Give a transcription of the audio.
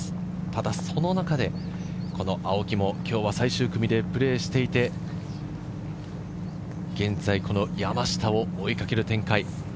ただその中で青木も今日は最終組でプレーしていて、現在、山下を追いかける展開。